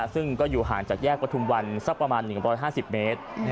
ซึ่งก็อยู่ห่างจากแยกประทุมวันสักประมาณ๑๕๐เมตร